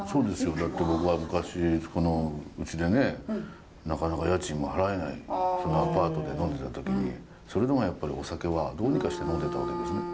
だって僕は昔うちでねなかなか家賃も払えないそのアパートで呑んでた時にそれでもやっぱりお酒はどうにかして呑んでたわけですね。